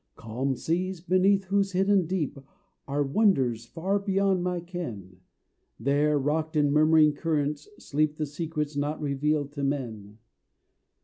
Calm seas beneath whose hidden deep Are wonders far beyond my ken, There, rocked in murmuring currents, sleep The secrets not revealed to men!